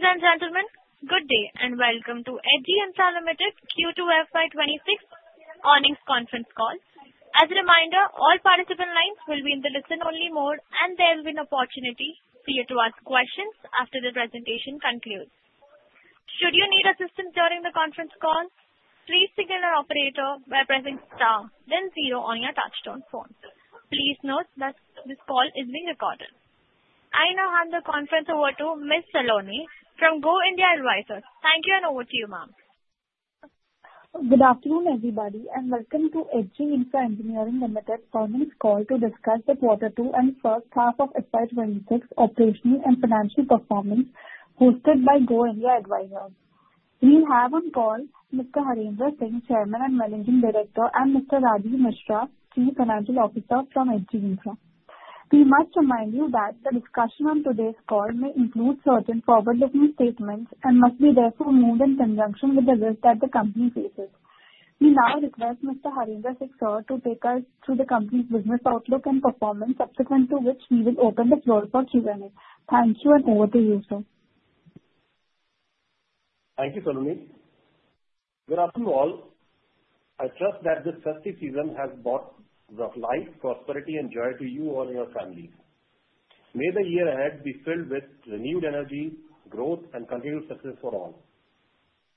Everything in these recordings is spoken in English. Ladies and gentlemen, good day and welcome to HG Infra Engineering Limited Q2FY26 earnings conference call. As a reminder, all participant lines will be in the listen-only mode, and there will be an opportunity for you to ask questions after the presentation concludes. Should you need assistance during the conference call, please signal your operator by pressing star, then zero on your touch-tone phone. Please note that this call is being recorded. I now hand the conference over to Ms. Saloni from Go India Advisors. Thank you, and over to you, ma'am. Good afternoon, everybody, and welcome to HG Infra Engineering Limited's earnings call to discuss the quarter two and first half of FY26 operational and financial performance hosted by Go India Advisors. We have on call Mr. Harendra Singh, Chairman and Managing Director, and Mr. Rajeev Mishra, Chief Financial Officer from HG Infra. We must remind you that the discussion on today's call may include certain forward-looking statements and must be therefore viewed in conjunction with the risks that the company faces. We now request Mr. Harendra Singh Sir to take us through the company's business outlook and performance, subsequent to which we will open the floor for Q&A. Thank you, and over to you, sir. Thank you, Saloni. Good afternoon all. I trust that this festive season has brought life, prosperity, and joy to you all and your families. May the year ahead be filled with renewed energy, growth, and continued success for all.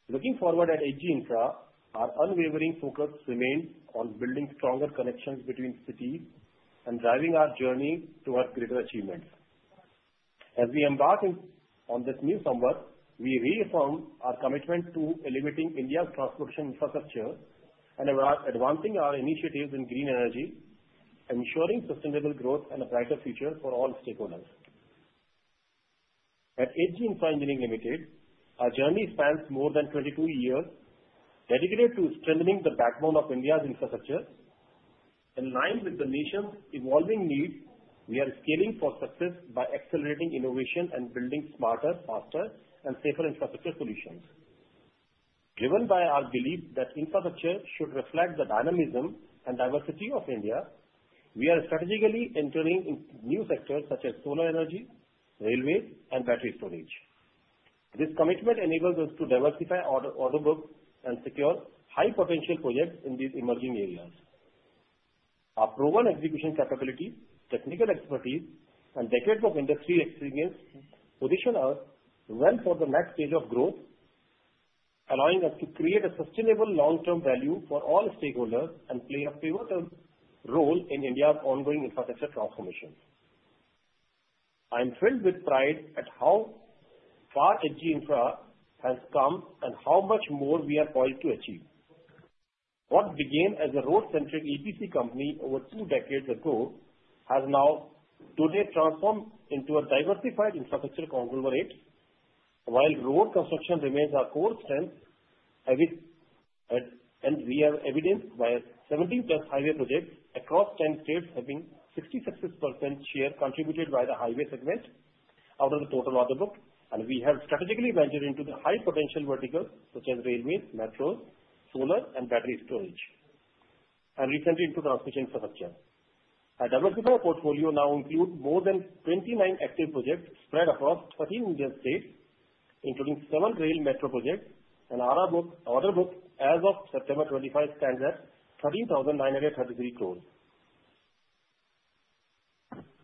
Looking forward at HG Infra, our unwavering focus remains on building stronger connections between cities and driving our journey towards greater achievements. As we embark on this new summer, we reaffirm our commitment to elevating India's transportation infrastructure and advancing our initiatives in green energy, ensuring sustainable growth and a brighter future for all stakeholders. At HG Infra Engineering Limited, our journey spans more than 22 years dedicated to strengthening the backbone of India's infrastructure. In line with the nation's evolving needs, we are scaling for success by accelerating innovation and building smarter, faster, and safer infrastructure solutions. Driven by our belief that infrastructure should reflect the dynamism and diversity of India, we are strategically entering new sectors such as solar energy, railways, and battery storage. This commitment enables us to diversify our order book and secure high-potential projects in these emerging areas. Our proven execution capabilities, technical expertise, and decades of industry experience position us well for the next stage of growth, allowing us to create a sustainable long-term value for all stakeholders and play a pivotal role in India's ongoing infrastructure transformation. I am filled with pride at how far HG Infra has come and how much more we are poised to achieve. What began as a road-centric EPC company over two decades ago has now today transformed into a diversified infrastructure conglomerate. While road construction remains our core strength, as evidenced by 17-plus highway projects across 10 states, having 66% share contributed by the highway segment out of the total order book. We have strategically ventured into the high-potential verticals such as railways, metros, solar, and battery storage, and recently into transportation infrastructure. Our diversified portfolio now includes more than 29 active projects spread across 13 Indian states, including seven rail metro projects, and our order book as of September 25 stands at 13,933 crores.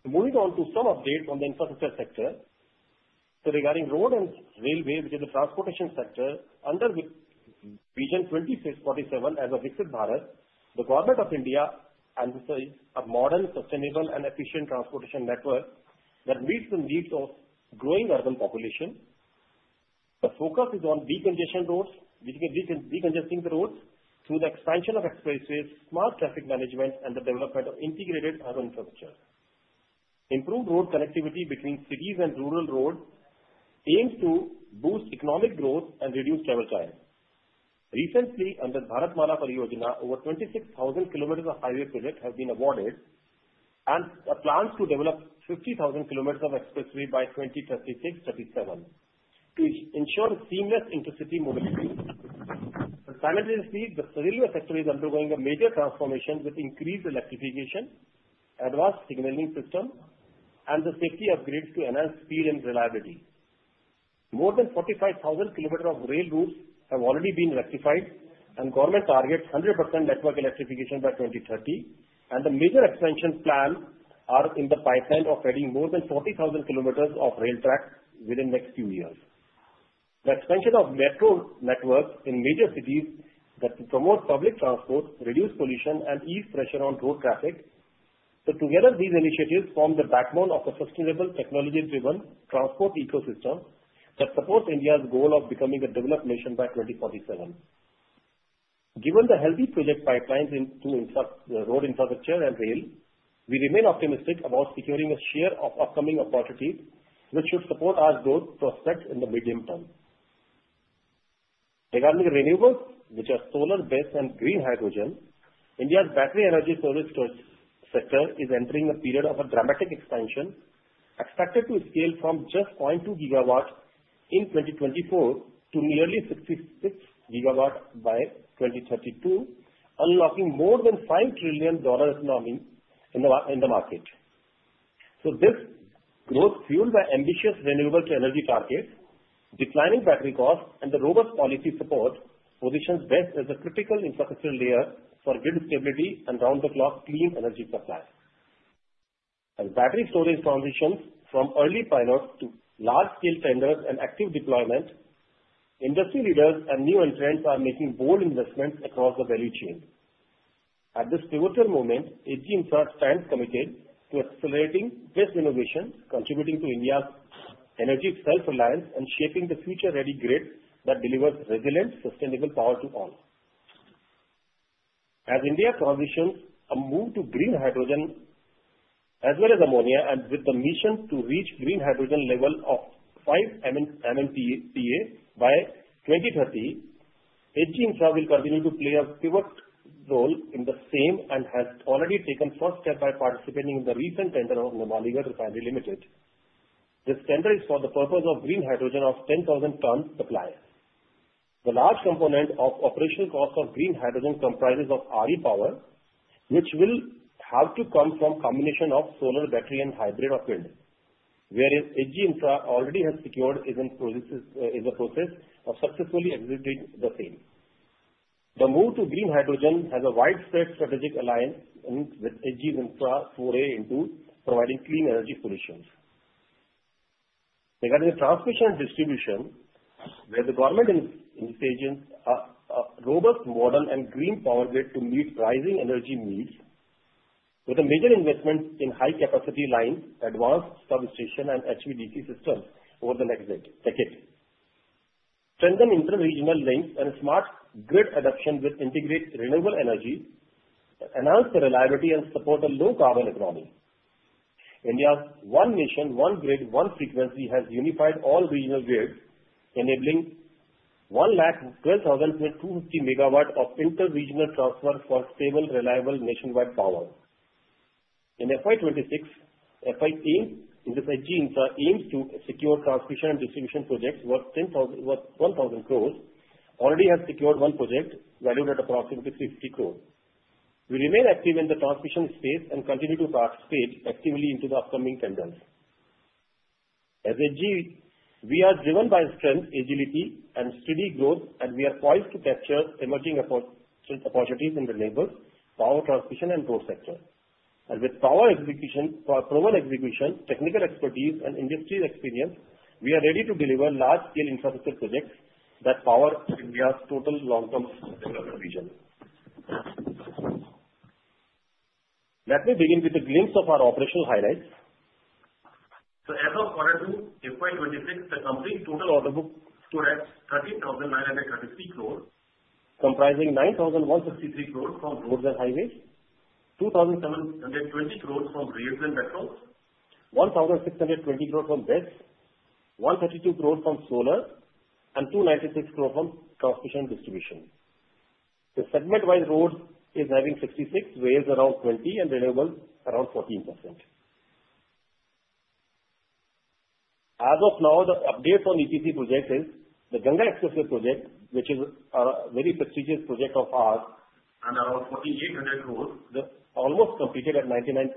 Moving on to some updates on the infrastructure sector. Regarding road and railways, which is the transportation sector under Vision 2047 as a Viksit Bharat, the Government of India emphasizes a modern, sustainable, and efficient transportation network that meets the needs of the growing urban population. The focus is on decongestion roads, which means decongesting the roads through the expansion of expressways, smart traffic management, and the development of integrated urban infrastructure. Improved road connectivity between cities and rural roads aims to boost economic growth and reduce travel time. Recently, under Bharatmala Pariyojana, over 26,000 km of highway projects have been awarded, and there are plans to develop 50,000 km of expressway by 2036-2037 to ensure seamless intercity mobility. Simultaneously, the railway sector is undergoing a major transformation with increased electrification, advanced signaling systems, and the safety upgrades to enhance speed and reliability. More than 45,000 kilometers of rail routes have already been electrified, and the government targets 100% network electrification by 2030. The major expansion plans are in the pipeline of adding more than 40,000 kilometers of rail tracks within the next few years. The expansion of the metro network in major cities is to promote public transport, reduce pollution, and ease pressure on road traffic. Together, these initiatives form the backbone of a sustainable, technology-driven transport ecosystem that supports India's goal of becoming a developed nation by 2047. Given the healthy project pipelines into road infrastructure and rail, we remain optimistic about securing a share of upcoming opportunities, which should support our growth prospects in the medium term. Regarding renewables, which are solar-based and green hydrogen, India's battery energy storage sector is entering a period of dramatic expansion, expected to scale from just 0.2 gigawatts in 2024 to nearly 66 gigawatts by 2032, unlocking more than $5 trillion economy in the market. This growth is fueled by ambitious renewable energy targets, declining battery costs, and the robust policy support, positioning BESS as a critical infrastructure layer for grid stability and round-the-clock clean energy supply. As battery storage transitions from early pilots to large-scale tenders and active deployment, industry leaders and new entrants are making bold investments across the value chain. At this pivotal moment, HG Infra stands committed to accelerating BESS innovation, contributing to India's energy self-reliance and shaping the future-ready grid that delivers resilient, sustainable power to all. As India transitions to a move to green hydrogen as well as ammonia, and with the mission to reach green hydrogen level of 5 MMTPA by 2030, HG Infra will continue to play a pivotal role in the same and has already taken the first step by participating in the recent tender of Numaligarh Refinery Limited. This tender is for the purpose of green hydrogen of 10,000 tons supply. The large component of operational cost of green hydrogen comprises of RE power, which will have to come from a combination of solar, battery, and hybrid off-grid, whereas HG Infra already has secured and is in the process of successfully executing the same. The move to green hydrogen has widespread strategic alliance with HG Infra's foray into providing clean energy solutions. Regarding the transmission distribution, where the government is engaging a robust, modern, and green power grid to meet rising energy needs, with a major investment in high-capacity lines, advanced substations, and HVDC systems over the next decade. Strengthen interregional links and smart grid adoption with integrated renewable energy enhances reliability and supports a low-carbon economy. India's One Nation, One Grid, One Frequency has unified all regional grids, enabling 112,250 megawatts of interregional transfer for stable, reliable nationwide power. In FY26, FY18, HG Infra aims to secure transmission and distribution projects worth 10,000 crores. Already has secured one project valued at approximately 50 crores. We remain active in the transmission space and continue to participate actively in the upcoming tenders. As HG, we are driven by strength, agility, and steady growth, and we are poised to capture emerging opportunities in renewable power transmission and road sector. With proven execution, technical expertise, and industry experience, we are ready to deliver large-scale infrastructure projects that power India's total long-term supply chain. Let me begin with a glimpse of our operational highlights. As of quarter two, FY26, the company's total order book stood at 13,933 crores, comprising 9,163 crores from roads and highways, 2,720 crores from rails and metro, 1,620 crores from BEST, 132 crores from solar, and 296 crores from transmission and distribution. The segment-wide roads is having 66%, rails around 20%, and renewables around 14%. As of now, the update on EPC project is the Ganga Expressway project, which is a very prestigious project of ours, and around 14,800 crores, almost completed at 99%,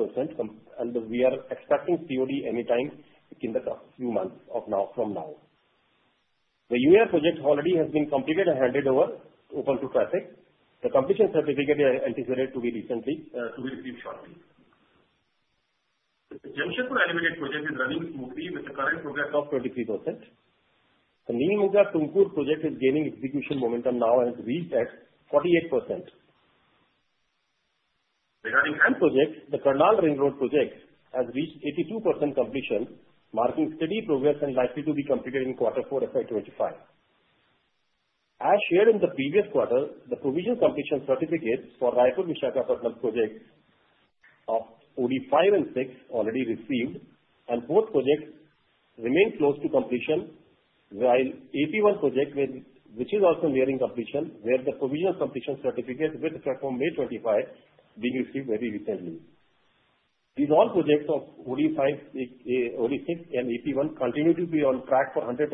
and we are expecting COD anytime in the few months from now. The UER project already has been completed and handed over, opened to traffic. The completion certificate is anticipated to be received shortly. The Khammam-Devarapalle project is running smoothly with the current progress of 23%. The Nelamangala-Tumkur project is gaining execution momentum now and has reached at 48%. Regarding HAM projects, the Karnal Ring Road project has reached 82% completion, marking steady progress and likely to be completed in quarter four of FY25. As shared in the previous quarter, the provisional completion certificates for Raipur-Visakhapatnam projects of 45 and 46 already received, and both projects remain close to completion, while AP1 project, which is also nearing completion, where the provisional completion certificate dated May 25, being received very recently. These all projects of 45, 46, and AP1 continue to be on track for 100%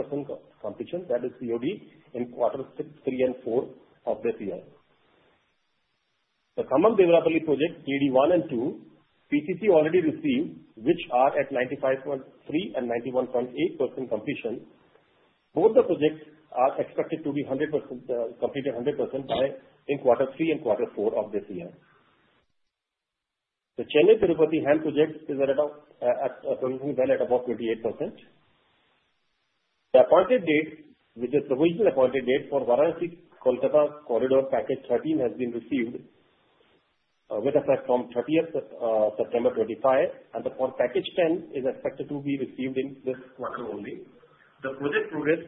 completion, that is COD, in quarters three and four of this year. The Khammam-Devarapalle Project, PD1 and 2, PCC already received, which are at 95.3% and 91.8% completion. Both the projects are expected to be completed 100% by quarter three and quarter four of this year. The Chennai-Tirupati HAM project is currently well at about 28%. The Appointed Date, which is the provisional appointed date for Varanasi-Kolkata Corridor Package 13, has been received with effect from 30th September 2025, and the package 10 is expected to be received in this quarter only. The project progress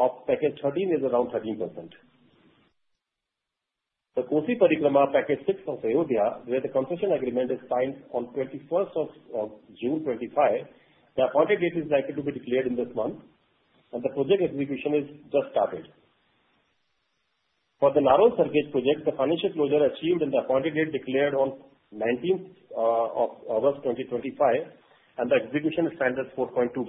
of package 13 is around 13%. The Kosi Parikrama Package 6 of Ayodhya, where the concession agreement is signed on 21st of June 2025, the appointed date is likely to be declared in this month, and the project execution has just started. For the Uncertain project, the financial closure achieved and the appointed date declared on 19th of August 2025, and the execution standard is 4.2%.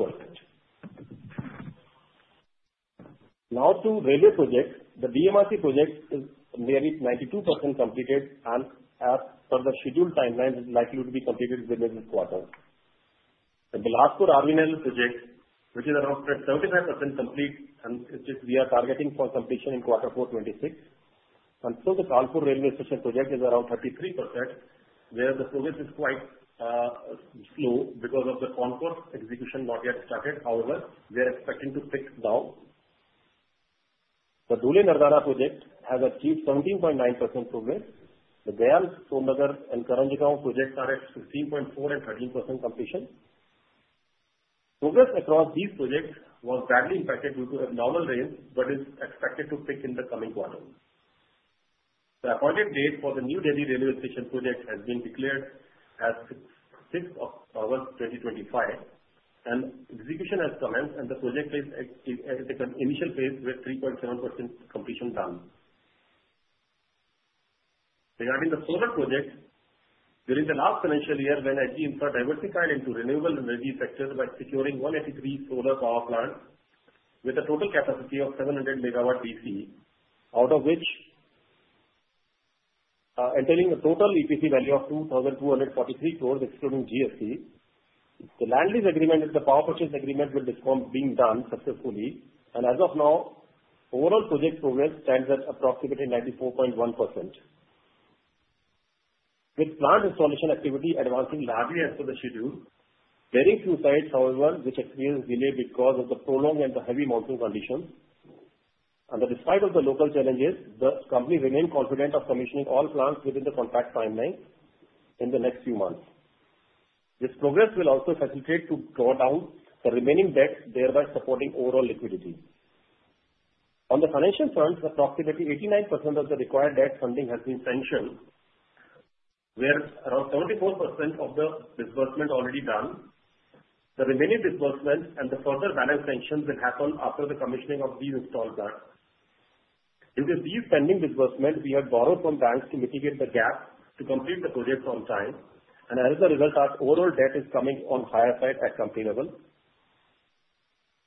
Now to railway projects. The DMRC project is nearing 92% completed and, as per the scheduled timelines, is likely to be completed within this quarter. The Bilaspur-Anuppur project, which is around 75% complete, and we are targeting for completion in quarter four 26, and so the Kanpur Railway Station project is around 33%, where the progress is quite slow because of the concourse execution not yet started. However, we are expecting to pick now. The Dhule-Nardana project has achieved 17.9% progress. The Gaya-Son Nagar and uncertain projects are at 15.4% and 13% completion. Progress across these projects was badly impacted due to abnormal rains, but is expected to pick in the coming quarter. The appointed date for the New Delhi Railway Station project has been declared as 6th of August 2025, and execution has commenced, and the project is in the initial phase with 3.7% completion done. Regarding the solar projects, during the last financial year, HG Infra diversified into renewable energy sector by securing 183 solar power plants with a total capacity of 700 megawatt DC, out of which entailing a total EPC value of 2,243 crores, excluding GST. The land lease agreement and the power purchase agreement with this firm being done successfully, and as of now, overall project progress stands at approximately 94.1%. With plant installation activity advancing largely as per the schedule, very few sites, however, which experience delay because of the prolonged and heavy monsoon conditions. Despite the local challenges, the company remains confident of commissioning all plants within the contract timeline in the next few months. This progress will also facilitate to draw down the remaining debt, thereby supporting overall liquidity. On the financial front, approximately 89% of the required debt funding has been sanctioned, where around 74% of the disbursement is already done. The remaining disbursement and the further balance sanctions will happen after the commissioning of these installed plants. Due to these pending disbursements, we have borrowed from banks to mitigate the gap to complete the projects on time, and as a result, our overall debt is coming on higher side at 1,300 crores.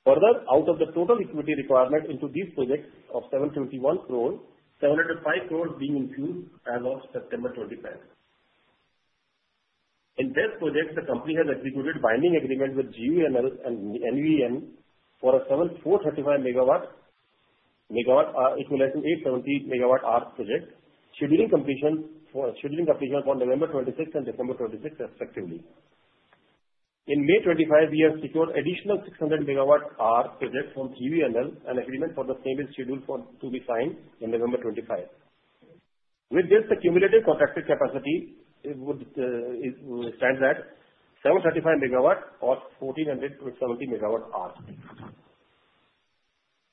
Further, out of the total equity requirement into these projects of 721 crores, 705 crores being infused as of September 25. In BEST projects, the company has executed binding agreements with GUVNL and NVVN for a 435 megawatt equivalent to 870 megawatt-hour project, scheduling completion for November 26 and December 26, respectively. In May 25, we have secured additional 600 megawatt-hour projects from GUVNL, and agreements for the same are scheduled to be signed on November 25. With this, the cumulative contracted capacity stands at 735 megawatts or 1,470 megawatt-hours.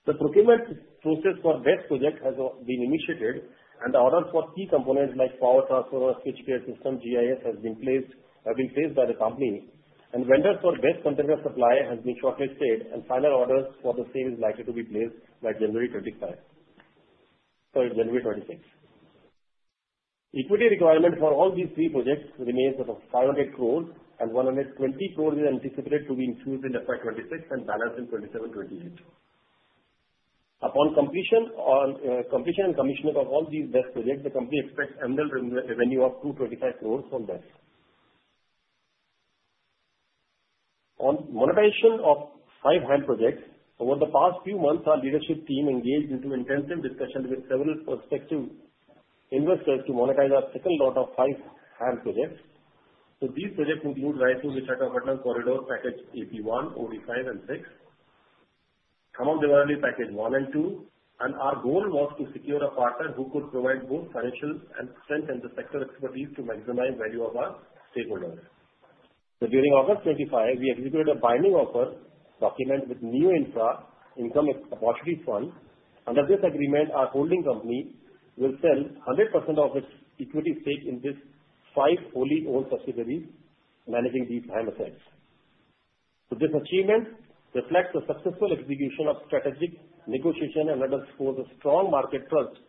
The procurement process for BEST projects has been initiated, and the orders for key components like power transformer, switchgear system, GIS have been placed by the company, and vendors for BEST container supply have been shortlisted, and final orders for the same are likely to be placed by January 25 or January 26. Equity requirement for all these three projects remains at 500 crores, and 120 crores is anticipated to be infused in FY26 and balanced in 27-28. Upon completion and commissioning of all these BEST projects, the company expects annual revenue of 225 crores from BEST. On monetization of five HAM projects, over the past few months, our leadership team engaged in intensive discussions with several prospective investors to monetize our second lot of five HAM projects. These projects include Raipur-Visakhapatnam Corridor Package AP1, AP5, and 6, Khammam-Devarapalle Package 1 and 2, and our goal was to secure a partner who could provide both financial strength and sector expertise to maximize the value of our stakeholders. During August 25, we executed a binding offer document with NIIF Asset Management Fund. Under this agreement, our holding company will sell 100% of its equity stake in these five fully owned subsidiaries managing these HAM assets. This achievement reflects the successful execution of strategic negotiation and underscores a strong market trust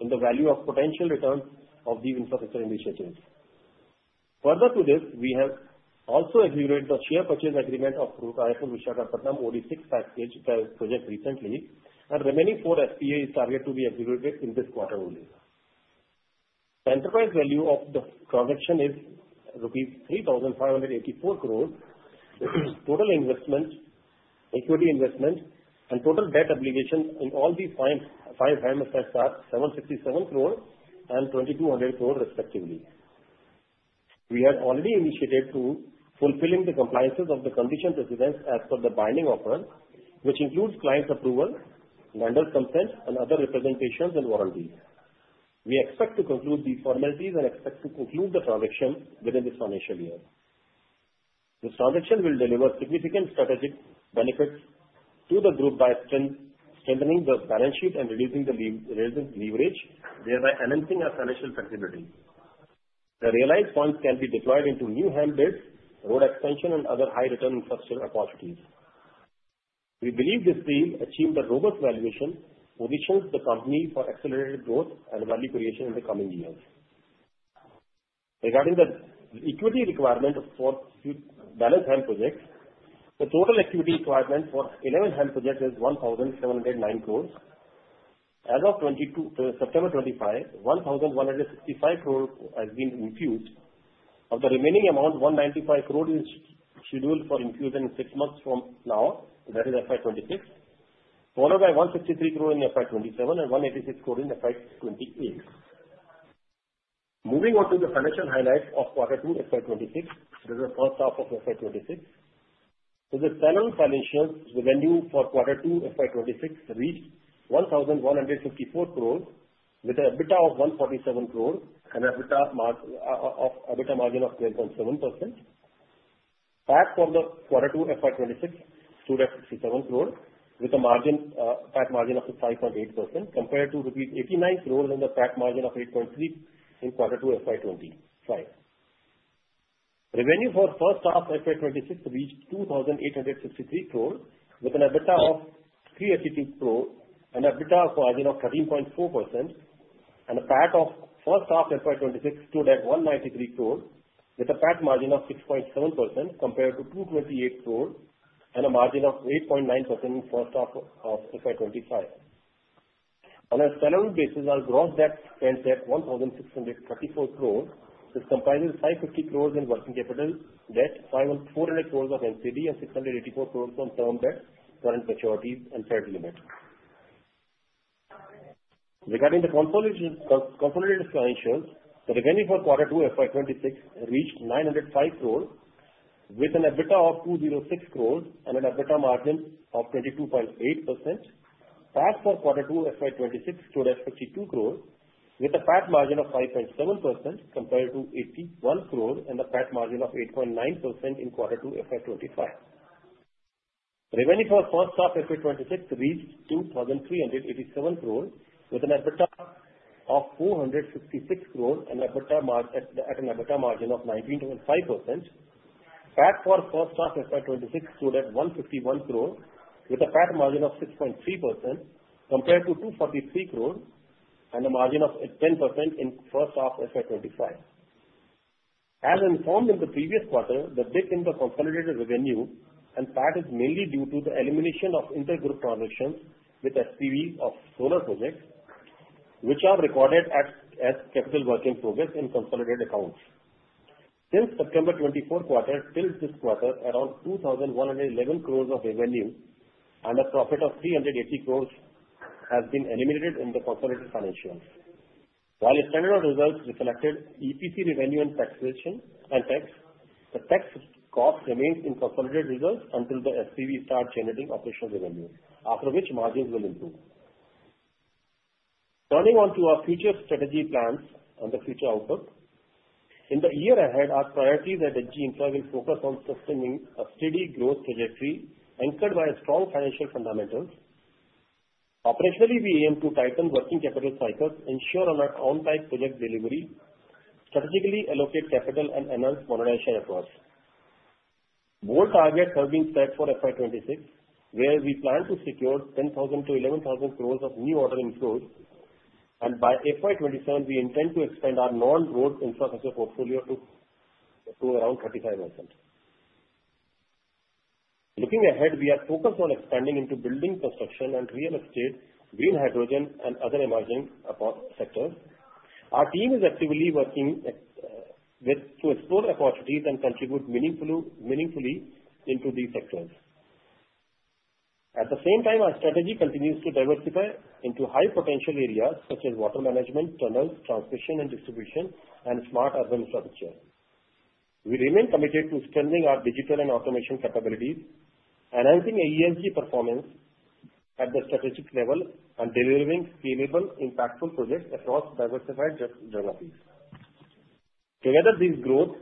in the value of potential returns of these infrastructure initiatives. Further to this, we have also executed the share purchase agreement of Raipur-Visakhapatnam AP6 package project recently, and the remaining four SPAs are targeted to be executed in this quarter only. The enterprise value of the transaction is rupees 3,584 crores. Total investment, equity investment, and total debt obligation in all these five HAM assets are 767 crores and 2,200 crores, respectively. We have already initiated to fulfill the compliances of the conditions precedent as per the binding offer, which includes client approval, vendor consent, and other representations and warranties. We expect to conclude these formalities and the transaction within this financial year. This transaction will deliver significant strategic benefits to the group by strengthening the balance sheet and reducing the relative leverage, thereby enhancing our financial flexibility. The realized funds can be deployed into new HAM bids, road extension, and other high-return infrastructure opportunities. We believe this deal achieves a robust valuation, positions the company for accelerated growth and value creation in the coming years. Regarding the equity requirement for balanced HAM projects, the total equity requirement for 11 HAM projects is 1,709 crores. As of September 25, 1,165 crores have been infused. Of the remaining amount, 195 crores is scheduled for infusion in six months from now, that is FY26, followed by 153 crores in FY27 and 186 crores in FY28. Moving on to the financial highlights of quarter two FY26, this is the first half of FY26. With the standalone financials, the revenue for quarter two FY26 reached 1,154 crores, with an EBITDA of 147 crores and an EBITDA margin of 12.7%. PAT for the quarter two FY26 stood at 67 crores, with a PAT margin of 5.8%, compared to Rs. 89 crores and the PAT margin of 8.3% in quarter two FY25. Revenue for the first half of FY26 reached 2,863 crores, with an EBITDA of 382 crores, an EBITDA margin of 13.4%, and a PAT of first half FY26 stood at 193 crores, with a PAT margin of 6.7%, compared to 228 crores and a margin of 8.9% in the first half of FY25. On a consol basis, our gross debt stands at 1,634 crores, which comprises 550 crores in working capital debt, 400 crores of NCD, and 684 crores on term debt, current maturities, and fund limit. Regarding the consolidated financials, the revenue for quarter two FY26 reached 905 crores, with an EBITDA of 206 crores and an EBITDA margin of 22.8%. PAC for quarter two FY26 stood at 52 crores, with a PAC margin of 5.7%, compared to 81 crores and a PAC margin of 8.9% in quarter two FY25. Revenue for the first half FY26 reached 2,387 crores, with an EBITDA of 466 crores and an EBITDA margin of 19.5%. PAC for the first half FY26 stood at 151 crores, with a PAC margin of 6.3%, compared to 243 crores and a margin of 10% in the first half FY25. As informed in the previous quarter, the dip in the consolidated revenue and PAC is mainly due to the elimination of inter-group transactions with SPVs of solar projects, which are recorded as capital work in progress in consolidated accounts. Since September 24 quarter, till this quarter, around 2,111 crores of revenue and a profit of 380 crores has been eliminated in the consolidated financials. While the standard results reflected EPC revenue and taxation, the tax cost remains in consolidated results until the SPVs start generating operational revenue, after which margins will improve. Turning to our future strategy plans and the future outlook, in the year ahead, our priorities at HG Infra will focus on sustaining a steady growth trajectory anchored by strong financial fundamentals. Operationally, we aim to tighten working capital cycles, ensure on-time project delivery, strategically allocate capital, and enhance monetization efforts. Bold targets have been set for FY26, where we plan to secure 10,000-11,000 crores of new ordering flows, and by FY27, we intend to expand our non-road infrastructure portfolio to around 35%. Looking ahead, we are focused on expanding into building, construction, and real estate, green hydrogen, and other emerging sectors. Our team is actively working to explore opportunities and contribute meaningfully into these sectors. At the same time, our strategy continues to diversify into high-potential areas such as water management, tunnels, transmission and distribution, and smart urban infrastructure. We remain committed to strengthening our digital and automation capabilities, enhancing ESG performance at the strategic level, and delivering scalable, impactful projects across diversified geographies. Together, these growth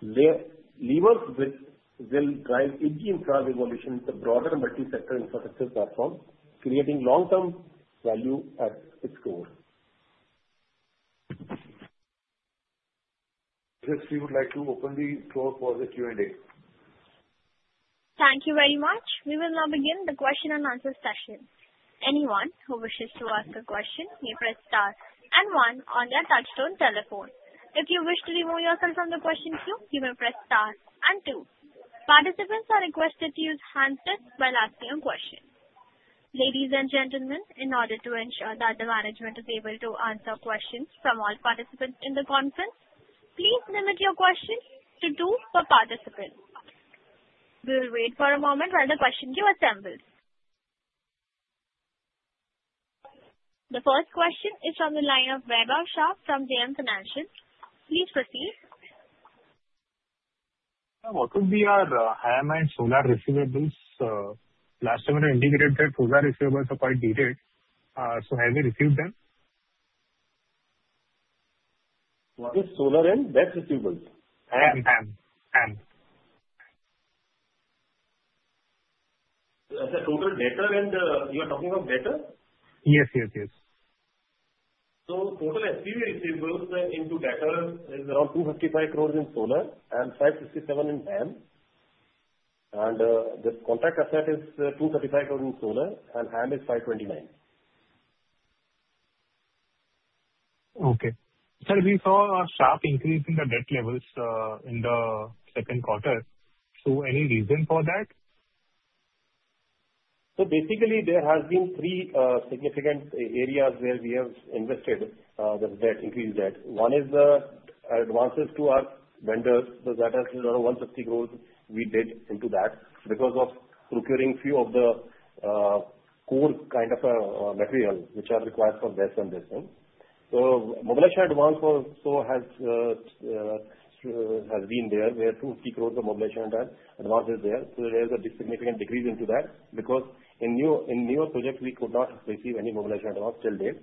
levers will drive HG Infra's evolution into a broader multi-sector infrastructure platform, creating long-term value at its core. HS, you would like to open the floor for the Q&A? Thank you very much. We will now begin the question and answer session. Anyone who wishes to ask a question may press star and one on their touch-tone telephone. If you wish to remove yourself from the question queue, you may press star and two. Participants are requested to use the handset when asking a question. Ladies and gentlemen, in order to ensure that the management is able to answer questions from all participants in the conference, please limit your questions to two per participant. We will wait for a moment while the question queue assembles. The first question is from the line of Vaibhav Shah from JM Financial. Please proceed. What would be our HAM and solar receivables? Last time we indicated solar receivables quite detailed, so have we received them? What is solar and BESS receivables? HAM. As a total debtor, and you are talking of debtor? Yes. So total SPV receivables into debtor is around 255 crores in solar and 567 in HAM. And the contract asset is 235 crores in solar, and HAM is 529. Okay. Sir, we saw a sharp increase in the debt levels in the second quarter. So any reason for that? So basically, there have been three significant areas where we have invested the debt, increased debt. One is the advances to our vendors, so that has around 150 crores we did into that because of procuring a few of the core kind of materials which are required for BESS and BESS. So mobilization advance also has been there, where 250 crores of mobilization advance is there. So there is a significant decrease into that because in newer projects, we could not receive any mobilization advance till date.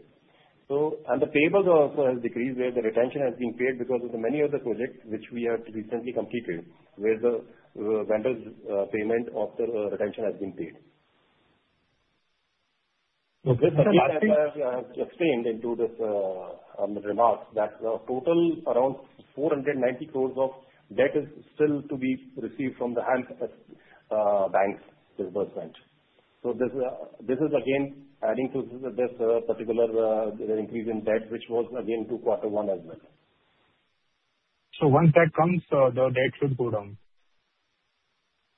And the payables also have decreased, where the retention has been paid because of the many other projects which we have recently completed, where the vendors' payment of the retention has been paid. Okay. But last thing I have explained into this remark, that the total around 490 crores of debt is still to be received from the HAM banks' disbursement. So this is again adding to this particular increase in debt, which was again to quarter one as well. So once that comes, the debt should go down?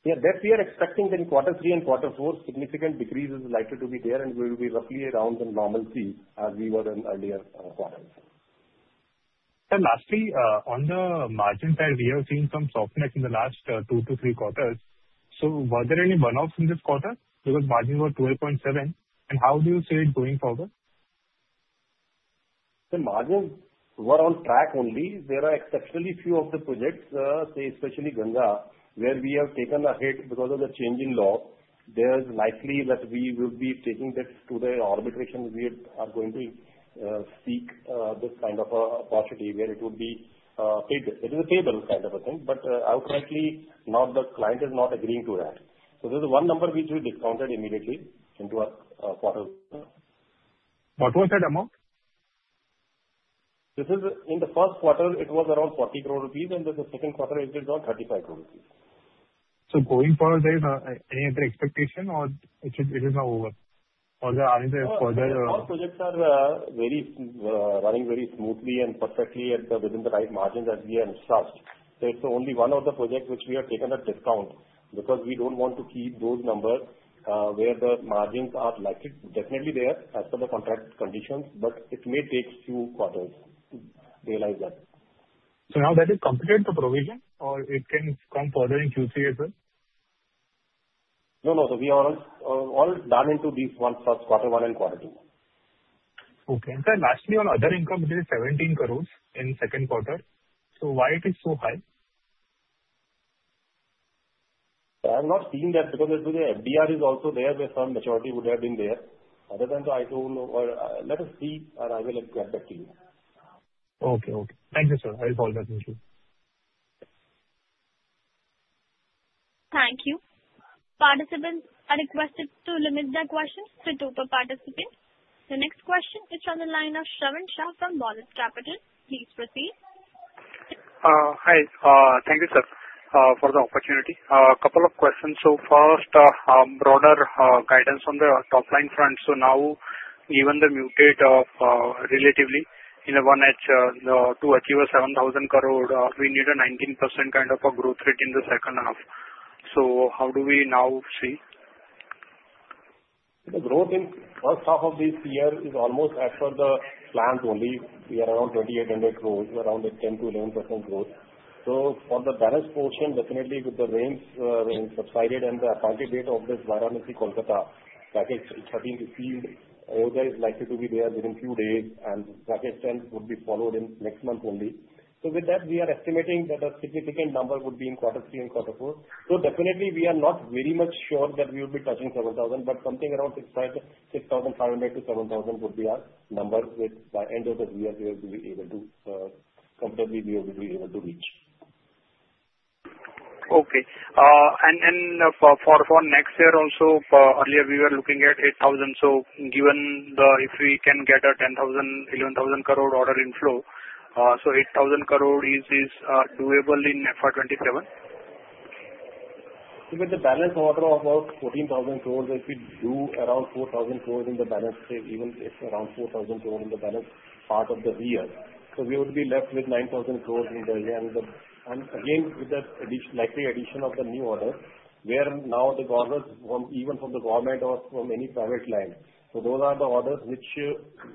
Yeah. Debt we are expecting in quarter three and quarter four, significant decrease is likely to be there, and we will be roughly around the normalcy as we were in earlier quarters. And lastly, on the margin side, we have seen some softness in the last two to three quarters. So were there any burn-offs in this quarter? Because margins were 12.7%, and how do you see it going forward? The margins were on track only. There are exceptionally few of the projects, especially Ganga, where we have taken a hit because of the Change in Law. There's likely that we will be taking this to the arbitration we are going to seek this kind of opportunity, where it would be paid. It is a table kind of a thing, but outrightly, the client is not agreeing to that. So there's one number which we discounted immediately into our quarter one. What was that amount? In the first quarter, it was around 40 crore rupees, and then the second quarter, it is around 35 crore rupees. So going forward, there is any other expectation, or it is now over? Or there are any further? All projects are running very smoothly and perfectly within the right margins as we are instructed. There's only one of the projects which we have taken a discount because we don't want to keep those numbers where the margins are likely definitely there as per the contract conditions, but it may take a few quarters to realize that. So now that is completed the provision, or it can come further in Q3 as well? No, no. So we are all done into this one first quarter, one and quarter two. Okay. And lastly, on other income, it is 17 crores in second quarter. So why it is so high? I have not seen that because the FDR is also there, where some maturity would have been there. Other than that, I don't know. Let us see, and I will get back to you. Okay. Okay. Thank you, sir. I will call back you too. Thank you. Participants are requested to limit their questions to two per participant. The next question is from the line of Shravan Shah from B&K Securities. Please proceed. Hi. Thank you, sir, for the opportunity. A couple of questions. So first, broader guidance on the top line front. So now, given the muted growth relatively in H1, to achieve a 7,000 crore, we need a 19% kind of a growth rate in the second half. So how do we now see? The growth in the first half of this year is almost as per the plans only. We are around 2,800 crores, around 10%-11% growth. So for the balance portion, definitely with the rains subsided and the COD of this Varanasi Kolkata package starting to see, all that is likely to be there within a few days, and package 10 would be followed in next month only. So with that, we are estimating that a significant number would be in quarter three and quarter four. So definitely, we are not very much sure that we will be touching 7,000, but something around 6,500-7,000 would be our number. With by end of this year, we will be able to comfortably, we will be able to reach. Okay. And for next year also, earlier we were looking at 8,000. So given if we can get a 10,000-11,000 crore order inflow, so 8,000 crore is doable in FY27? With the balance order of about 14,000 crore, if we do around 4,000 crore in the balance, even if around 4,000 crore in the balance part of the year, so we would be left with 9,000 crore in the year. And again, with the likely addition of the new order, where now the orders even from the government or from any private land. Those are the orders which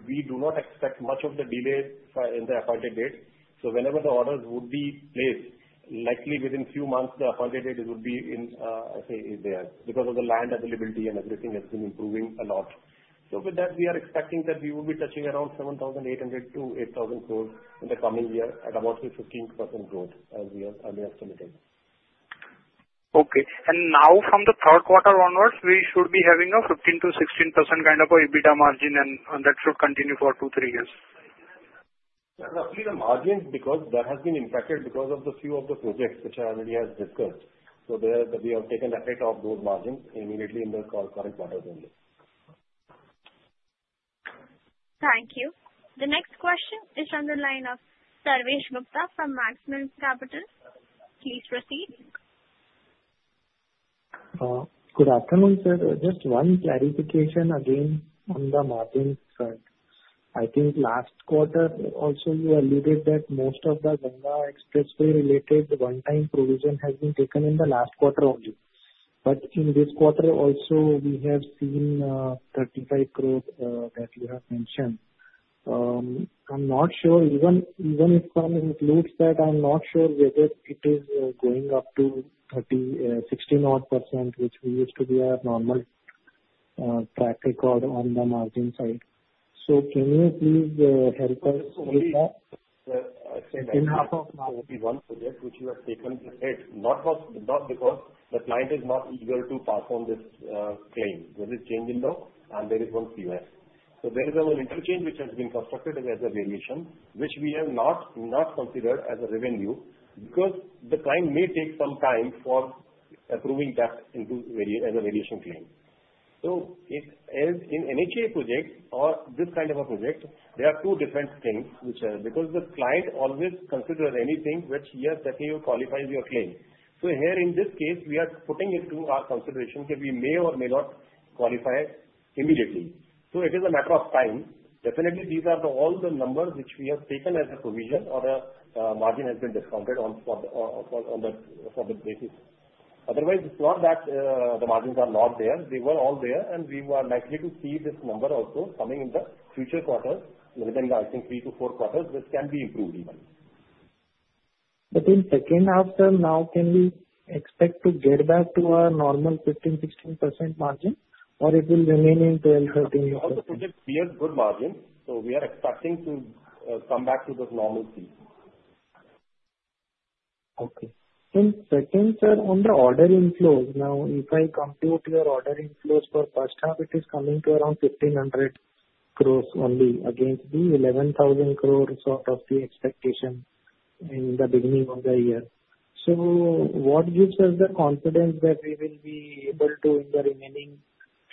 we do not expect much of the delay in the appointed date. So whenever the orders would be placed, likely within a few months, the appointed date would be in, I say, there because of the land availability and everything has been improving a lot. So with that, we are expecting that we will be touching around 7,800-8,000 crore in the coming year at about 15% growth as we are estimating. Okay. And now from the third quarter onwards, we should be having a 15%-16% kind of a EBITDA margin, and that should continue for two to three years. Roughly the margin because that has been impacted because of the few of the projects which I already have discussed. So we have taken a hit of those margins immediately in the current quarter only. Thank you. The next question is from the line of Sarvesh Gupta from Maximus Securities. Please proceed. Good afternoon, sir. Just one clarification again on the margin side. I think last quarter also you alluded that most of the Ganga Expressway-related one-time provision has been taken in the last quarter only. But in this quarter also, we have seen ₹35 crore that you have mentioned. I'm not sure even if I include that, I'm not sure whether it is going up to 16-odd%, which we used to be at normal track record on the margin side. So can you please help us with that? In half of 21 projects which we have taken a hit, not because the client is not eager to pass on this claim. There is change in law, and there is one COS. So there is an interchange which has been constructed as a variation, which we have not considered as revenue because the client may take some time for approving that as a variation claim. So in NHAI projects or this kind of a project, there are two different things which are because the client always considers anything which he has said he will qualify your claim. So here in this case, we are putting into our consideration that we may or may not qualify immediately. So it is a matter of time. Definitely, these are all the numbers which we have taken as a provision or a margin has been discounted on the basis. Otherwise, it's not that the margins are not there. They were all there, and we were likely to see this number also coming in the future quarters, within, I think, three to four quarters, which can be improved even. But in second half, sir, now can we expect to get back to our normal 15%-16% margin, or it will remain in 12%-13%? We have good margins, so we are expecting to come back to this normalcy. Okay. In second, sir, on the ordering flows, now if I compute your ordering flows for first half, it is coming to around 1,500 crores only against the 11,000 crores of the expectation in the beginning of the year. So what gives us the confidence that we will be able to, in the remaining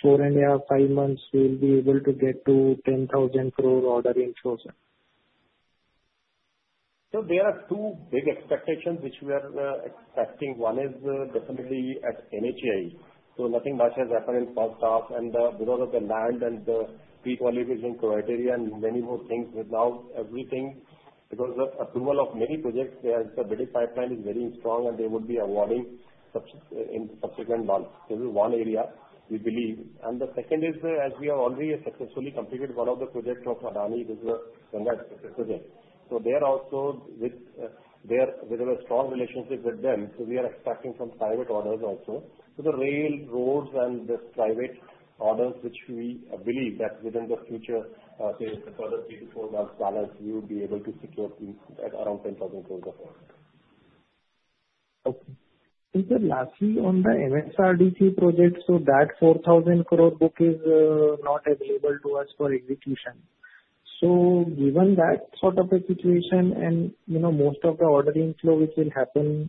four and a half, five months, we will be able to get to 10,000 crore ordering flows? So there are two big expectations which we are expecting. One is definitely at NHAI. Nothing much has happened in first half, and because of the land and the pre-qualification criteria and many more things, now everything, because of approval of many projects, the bidding pipeline is very strong, and they would be awarding in subsequent months. This is one area we believe, and the second is, as we have already successfully completed one of the projects of Adani, this is a Ganga project. There also, with a strong relationship with them, we are expecting some private orders also. The rail, roads, and the private orders which we believe that within the future, say, the further three to four months balance, we will be able to secure around 10,000 crores of orders. Okay. Then lastly, on the MSRDC project, that 4,000 crore book is not available to us for execution. So given that sort of a situation and most of the ordering flow which will happen,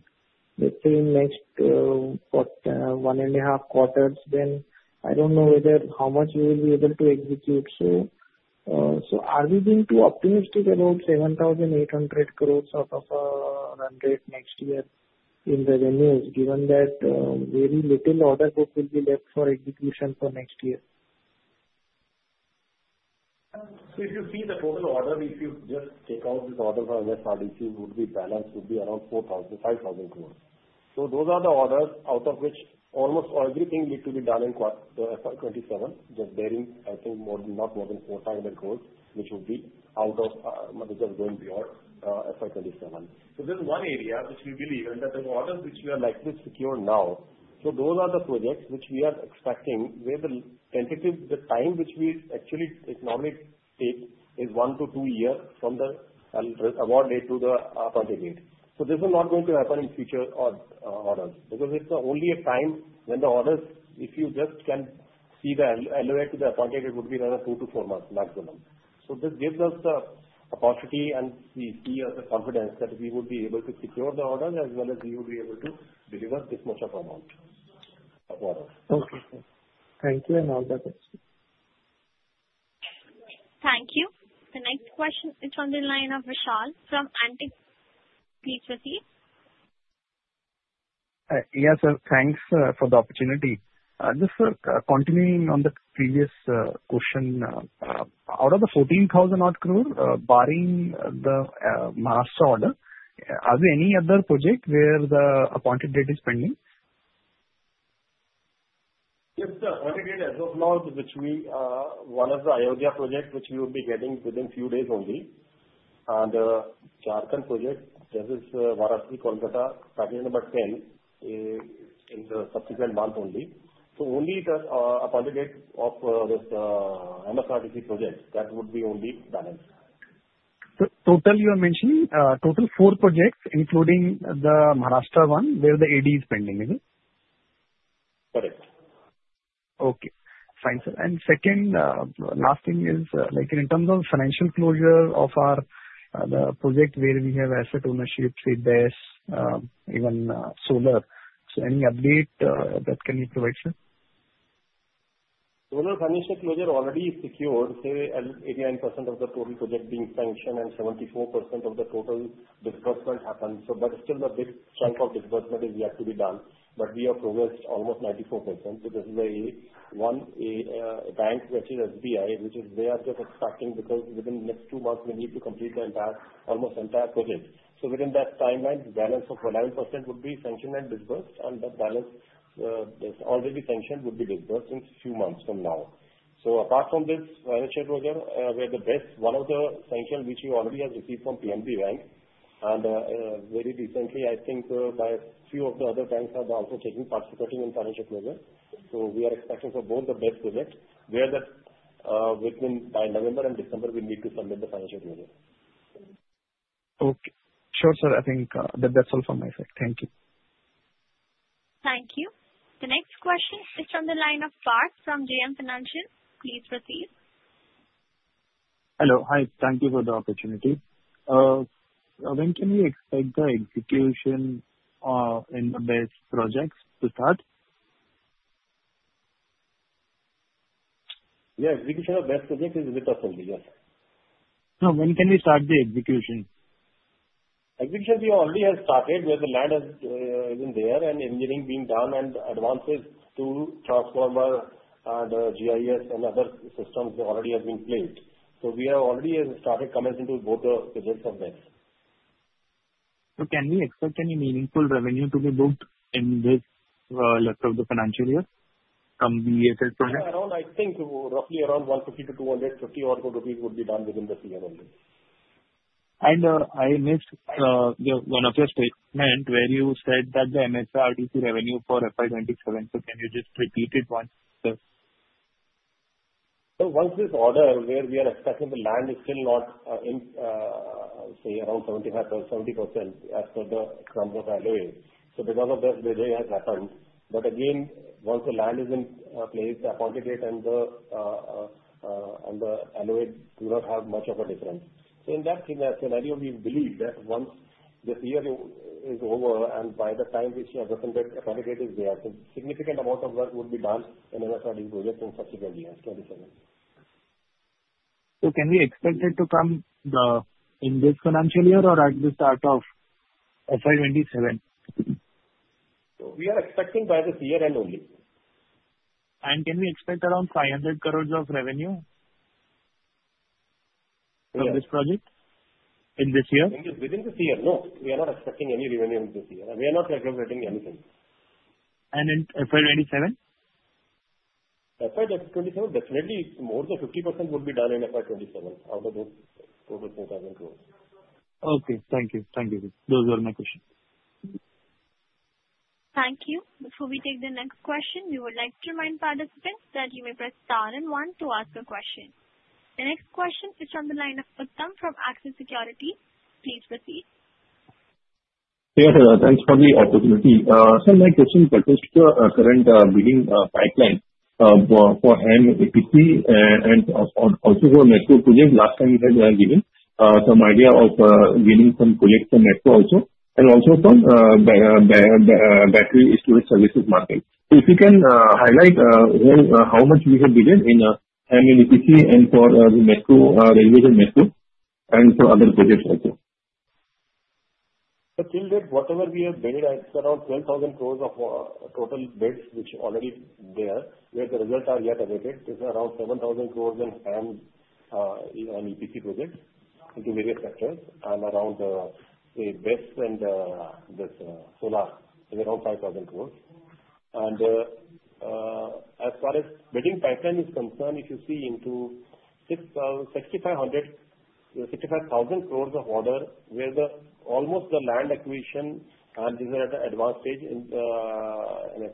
let's say, in next one and a half quarters, then I don't know how much you will be able to execute. So are we being too optimistic about 7,800 crores out of a run rate next year in revenues, given that very little order book will be left for execution for next year? So if you see the total order, if you just take out this order for MSRDC, it would be balanced, would be around 4,000-5,000 crores. So those are the orders out of which almost everything needs to be done in FY27, just barring, I think, not more than 4,500 crores, which would be out of just going beyond FY27. So there's one area which we believe, and that is orders which we are likely to secure now. So those are the projects which we are expecting, where the tentative, the time which we actually economically take is one to two years from the award date to the appointed date. So this is not going to happen in future orders because it's only a time when the orders, if you just can see the LOA to the appointed, it would be around two to four months maximum. So this gives us the opportunity and we see as a confidence that we would be able to secure the orders as well as we would be able to deliver this much of an amount of orders. Okay. Thank you. And all that. Thank you. The next question is from the line of Vishal from Antique. Please proceed. Yes, sir. Thanks for the opportunity. Just continuing on the previous question, out of the 14,000 odd crore, barring the master order, are there any other projects where the appointed date is pending? Yes, sir. Appointed date as of now, which we won is the Ayodhya project, which we will be getting within a few days only. And the Jharkhand project, that is Varanasi, Kolkata, package number 10 in the subsequent month only. So only the appointed date of this MSRDC project, that would be only balance. So total you are mentioning, total four projects, including the Maharashtra one, where the AD is pending, is it? Correct. Okay. Fine, sir. And second, last thing is, in terms of financial closure of the project where we have asset ownership, SPV base, even solar, so any update that can you provide, sir? The financial closure already is secured, say 89% of the total project being sanctioned and 74% of the total disbursement happened. But still, the big chunk of disbursement is yet to be done. But we have progressed almost 94%. This is one bank, which is SBI, which they are just expecting because within the next two months, we need to complete the entire, almost entire project. So within that timeline, balance of 11% would be sanctioned and disbursed, and the balance that's already sanctioned would be disbursed in a few months from now. Apart from this, financial closure, we are at BOT. One of the sanctions which we already have received from PNB Bank, and very recently, I think by a few of the other banks have also taken part in financial closure. We are expecting for both the BESS projects, that within by November and December, we need to submit the financial closure. Okay. Sure, sir. I think that's all from my side. Thank you. Thank you. The next question is from the line of Parth from JM Financial. Please proceed. Hello. Hi. Thank you for the opportunity. When can we expect the execution in the BESS projects to start? Yeah. Execution of BESS project is a bit of a yes. No. When can we start the execution? Execution, we already have started where the land is there and engineering being done and advances to transformers and GIS and other systems already have been paid. So we have already started coming into both the projects of this. So can we expect any meaningful revenue to be booked in the latter half of the financial year from the BESS project? Yeah. Around, I think roughly around 150 crore-250 crore rupees odd would be done within the CM only. I missed one of your statement where you said that the MSRDC revenue for FY27. So can you just repeat it once, sir? So once this order where we are expecting the land is still not in, say, around 70% as per the terms of the LOA. So because of that, the delay has happened. But again, once the land is in place, the appointed date and the LOA do not have much of a difference. So in that scenario, we believe that once this year is over and by the time which appointed date is there, significant amount of work would be done in MSRDC projects in subsequent years, FY27. So can we expect it to come in this financial year or at the start of FY27? So we are expecting by this year-end only. And can we expect around 500 crores of revenue from this project in this year? Within this year, no. We are not expecting any revenue in this year. We are not recovering anything. And in FY27? FY27, definitely more than 50% would be done in FY27 out of those total INR 2,000 crores. Okay. Thank you. Thank you, sir. Those were my questions. Thank you. Before we take the next question, we would like to remind participants that you may press star and one to ask a question. The next question is from the line of Uttam from Axis Securities. Please proceed. Thanks for the opportunity. Sir, my question pertains to the current bidding pipeline for HAM EPC and also for Metro projects. Last time, you had given some idea of gaining some projects for Metro also and also from battery storage services market. If you can highlight how much we have bid in HAM EPC and for the Metro Railway and Metro and for other projects also. So till date, whatever we have bid, it's around 12,000 crores of total bids which are already there, where the results are yet awaited. It's around 7,000 crores in HAM and EPC projects into various sectors and around, say, BEST and this solar, around 5,000 crores. And as far as bidding pipeline is concerned, if you see into 65,000 crores of order, where almost the land acquisition and this is at the advanced stage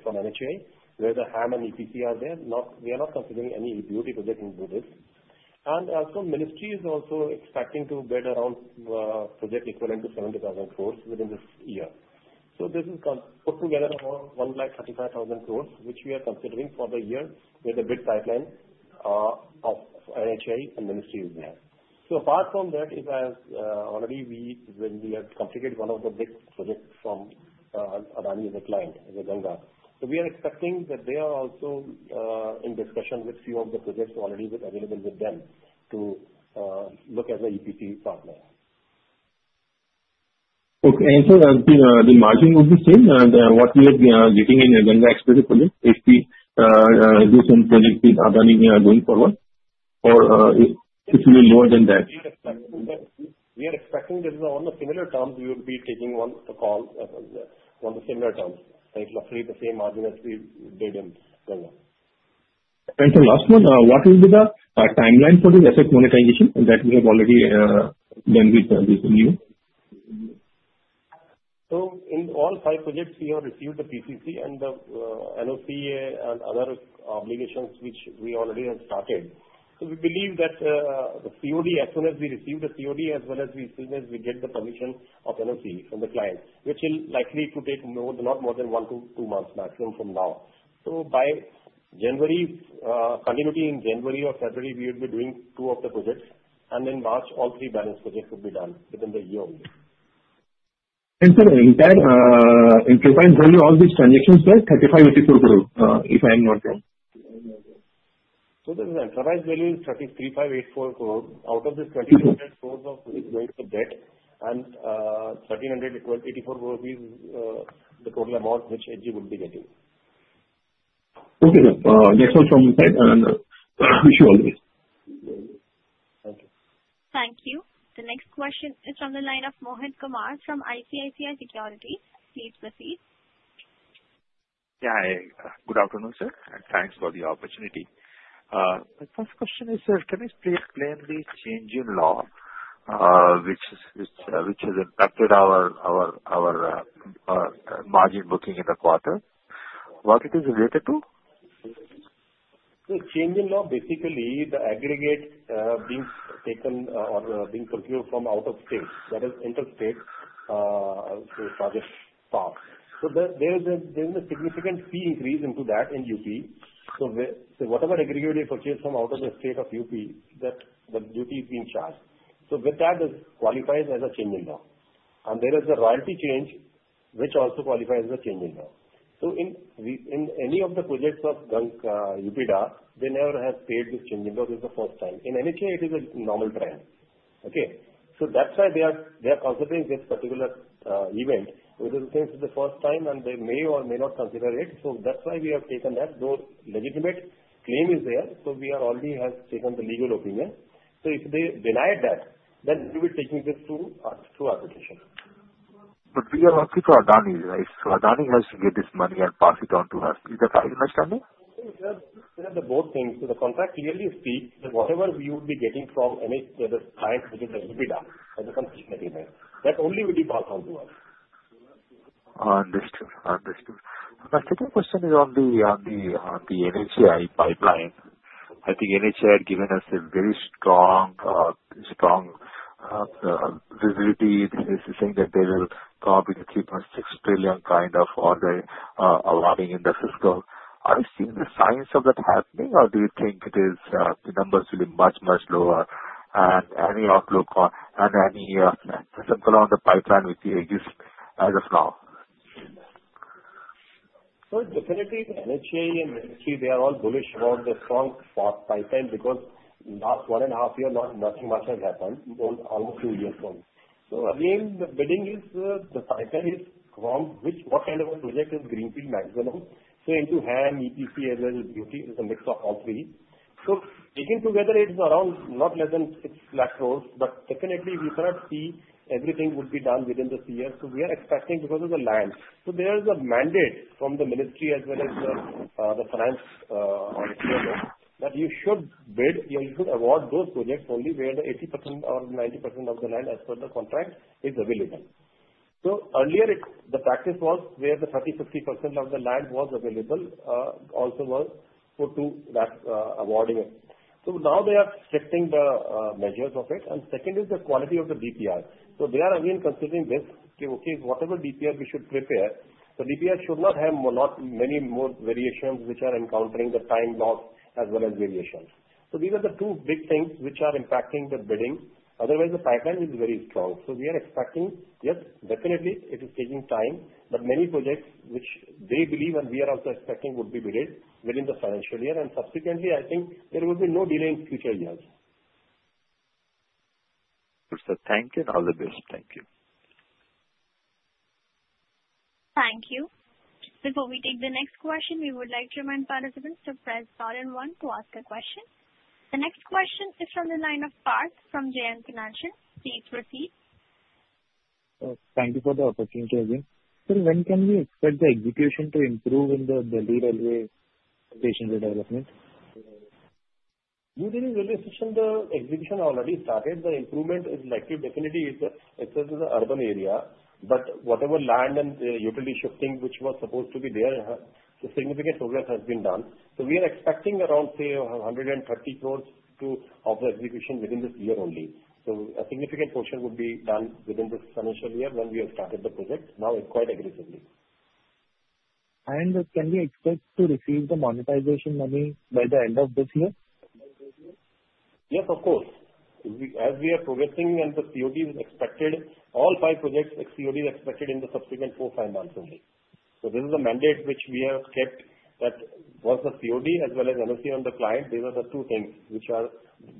from NHAI, where the HAM and EPC are there, we are not considering any BOT project into this. The ministry is also expecting to bid around projects equivalent to 70,000 crores within this year. So this is put together around 135,000 crores, which we are considering for the year with the bid pipeline of NHAI and the ministry is there. So apart from that, as already we have completed one of the big projects from Adani as a client, as a Ganga. So we are expecting that they are also in discussion with a few of the projects already available with them to look as an EPC partner. Okay. And sir, the margin would be the same. And what we are getting in the Ganga expected project, if we do some projects with Adani going forward, or if it will be lower than that? We are expecting that on the similar terms, we will be taking one call on the similar terms. It will be the same margin as we bid in Ganga. And the last one, what will be the timeline for the asset monetization that we have already done with you? So in all five projects, we have received the PCC and the NOC and other obligations which we already have started. So we believe that the COD, as soon as we receive the COD, as well as as soon as we get the permission of NOC from the client, which will likely take not more than one to two months maximum from now. So by January, continuing in January or February, we will be doing two of the projects. And in March, all three balance projects will be done within the year only. And sir, in enterprise value, all these transactions were 3,584 crores, if I am not wrong. So the enterprise value is 3,584 crores. Out of this 2,500 crores of which is going to debt and 1,384 crores is the total amount which SG would be getting. Okay. Thanks all from my side. And wish you all the best. Thank you. Thank you. The next question is from the line of Mohan Kumar from ICICI Securities. Please proceed. Yeah. Good afternoon, sir. And thanks for the opportunity. My first question is, sir, can I please explain the change in law which has impacted our margin booking in the quarter? What it is related to? So change in law, basically, the aggregate being taken or being purchased from out of state, that is interstate project cost. So there is a significant fee increase into that in UP. So whatever aggregate you purchase from out of the state of UP, that duty is being charged. So with that, this qualifies as a change in law. And there is a royalty change which also qualifies as a change in law. So in any of the projects of UPEIDA, they never have paid this change in law. This is the first time. In NHAI, it is a normal trend. Okay? So that's why they are considering this particular event, which is the first time, and they may or may not consider it. So that's why we have taken that. Though legitimate claim is there, so we have already taken the legal opinion. So if they denied that, then we will take this to our petition. But we are working for Adani, right? So Adani has to get this money and pass it on to us. Is that right understanding? Sir, the both things. The contract clearly speaks that whatever we would be getting from the client which is UPEIDA as a complete agreement, that only will be passed on to us. Understood. Understood. My second question is on the NHAI pipeline. I think NHAI had given us a very strong visibility, saying that they will come up with a 3.6 trillion kind of order inflow in the fiscal. Are you seeing the signs of that happening, or do you think the numbers will be much, much lower and any outlook on and any color on the pipeline which you have as of now? So definitely, NHAI and ministry, they are all bullish about the strong pipeline because last one and a half year, nothing much has happened, almost two years only. So again, the bidding pipeline is strong, which what kind of a project is Greenfield maximum. So in HAM, EPC, as well as BOT, it's a mix of all three. So taken together, it's around not less than six lakh crores. But definitely, we cannot see everything would be done within this year. So we are expecting because of the land. So there is a mandate from the ministry as well as the finance that you should bid, you should award those projects only where the 80% or 90% of the land as per the contract is available. So earlier, the practice was where the 30, 50% of the land was available also was put to that awarding. So now they are stricter the measures of it. And second is the quality of the DPR. So they are again considering this, okay, whatever DPR we should prepare. So DPR should not have many more variations which are encountering the time loss as well as variations. So these are the two big things which are impacting the bidding. Otherwise, the pipeline is very strong. So we are expecting, yes, definitely, it is taking time. But many projects which they believe and we are also expecting would be bidded within the financial year. And subsequently, I think there will be no delay in future years. Sir, thank you. And all the best. Thank you. Thank you. Before we take the next question, we would like to remind participants to press star and one to ask a question. The next question is from the line of Parth Parekh from JM Financial. Please proceed. Thank you for the opportunity again. Sir, when can we expect the execution to improve in the railway station development? You didn't really mention the execution already started. The improvement is likely definitely in the urban area. But whatever land and utility shifting which was supposed to be there, the significant progress has been done. So we are expecting around, say, 130 crores of the execution within this year only. So a significant portion would be done within this financial year when we have started the project. Now it's quite aggressively. And can we expect to receive the monetization money by the end of this year? Yes, of course. As we are progressing and the COD is expected, all five projects, COD is expected in the subsequent four, five months only. So this is the mandate which we have kept that both the COD as well as NOC on the client, these are the two things which are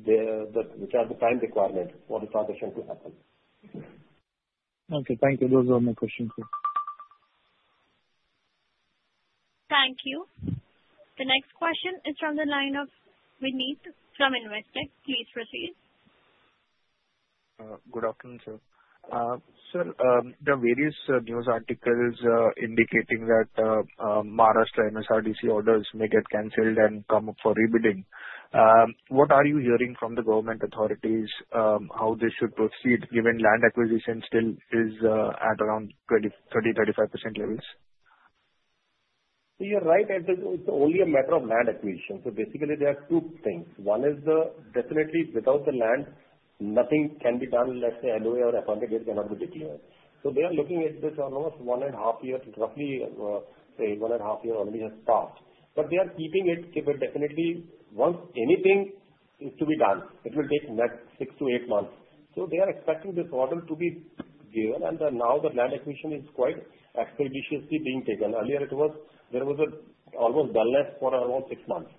the time requirement for the transition to happen. Okay. Thank you. Those were my questions. Thank you. The next question is from the line of Vineet from Investec.Please proceed Good afternoon, sir. Sir, the various news articles indicating that Maharashtra MSRDC orders may get canceled and come up for rebidding, what are you hearing from the government authorities how they should proceed given land acquisition still is at around 30%-35% levels? So you're right. It's only a matter of land acquisition. So basically, there are two things. One is definitely without the land, nothing can be done unless the LOA or appointed date cannot be declared. So they are looking at this almost one and a half years, roughly, say, one and a half years only has passed. But they are keeping it definitely once anything is to be done, it will take next six to eight months. So they are expecting this order to be given. And now the land acquisition is quite expeditiously being taken. Earlier, there was almost dullness for around six months.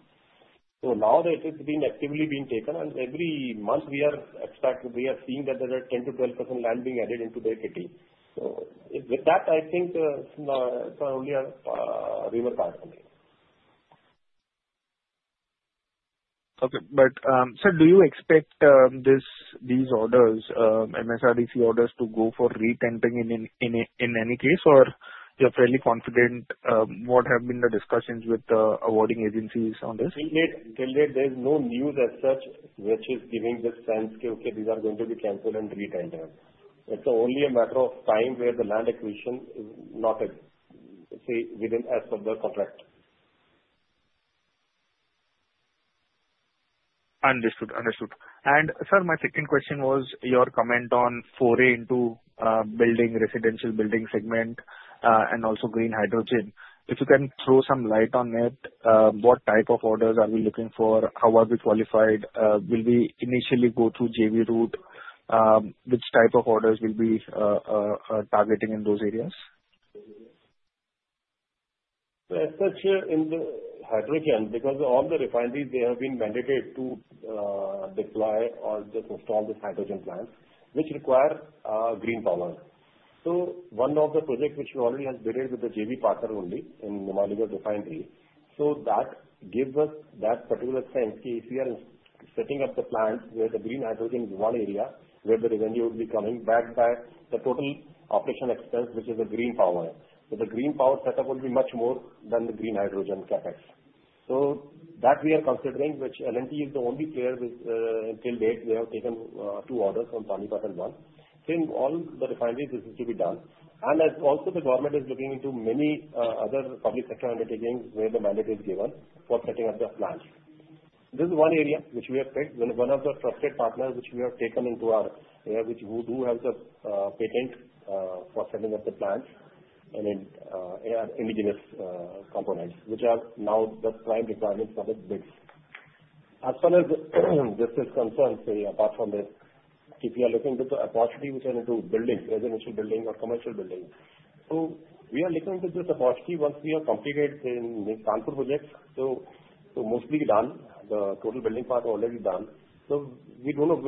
So now it is being actively taken. And every month, we are seeing that there are 10%-12% land being added into their kitty. So with that, I think it's only a reverse argument. Okay. But sir, do you expect these orders, MSRDC orders, to go for re-tendering in any case, or you're fairly confident? What have been the discussions with the awarding agencies on this? Till date, there is no news as such which is giving the sense that these are going to be canceled and re-tendered. It's only a matter of time where the land acquisition is not, say, within as per the contract. Understood. Understood. And sir, my second question was your comment on foray into building residential building segment and also green hydrogen. If you can throw some light on it, what type of orders are we looking for? How are we qualified? Will we initially go through JV route? Which type of orders will be targeting in those areas? As such in the hydrogen, because all the refineries, they have been mandated to deploy or just install these hydrogen plants which require green power. So one of the projects which we already have bid with the JV partner only in the Numaligarh refinery, so that gives us that particular sense that if we are setting up the plant where the green hydrogen is one area where the revenue would be coming back by the total operational expense, which is the green power. So the green power setup would be much more than the green hydrogen capex. So that we are considering, which L&T is the only player with till date. They have taken two orders from 25 and 1. Same all the refineries this is to be done. And also the government is looking into many other public sector undertakings where the mandate is given for setting up the plant. This is one area which we have picked with one of the trusted partners which we have taken into our area which do have the patent for setting up the plants and indigenous components which are now the prime requirements for the bids. As far as this is concerned, say, apart from this, if you are looking to the opportunity which are into buildings, residential building or commercial buildings, so we are looking into this opportunity once we have completed the Kanpur project. So mostly done. The total building part is already done. So we do not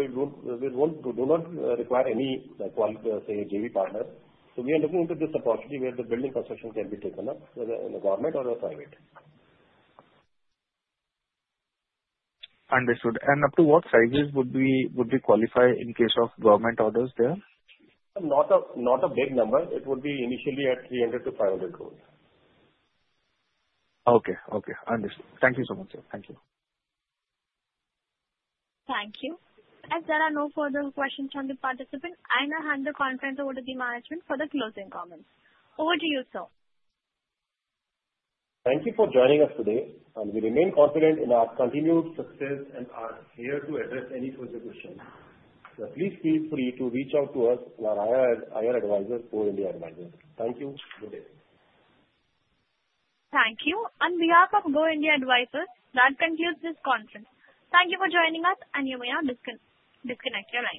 require any qualified, say, JV partners. So we are looking into this opportunity where the building construction can be taken up in the government or the private. Understood. And up to what sizes would we qualify in case of government orders there? Not a big number. It would be initially at 300-500 crores. Okay. Okay. Understood. Thank you so much, sir. Thank you. Thank you. As there are no further questions from the participants, I now hand the conference over to the management for the closing comments. Over to you, sir. Thank you for joining us today. And we remain confident in our continued success and are here to address any further questions. So please feel free to reach out to us or our advisor, Go India Advisors. Thank you. Good day. Thank you. On behalf of Go India Advisors, that concludes this conference. Thank you for joining us, and you may now disconnect here.